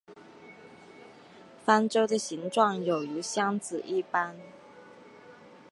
方舟的形状有如箱子一般。